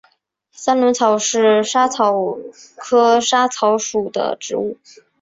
三轮草是莎草科莎草属的植物。